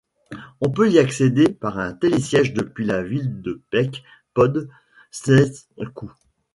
On peut y accéder par un télésiège depuis la ville de Pec pod Sněžkou.